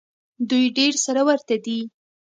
دوی ډېر سره ورته دي.